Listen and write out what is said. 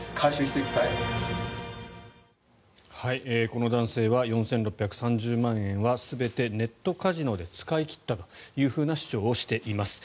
この男性は４６３０万円は全てネットカジノで使い切ったという主張をしています。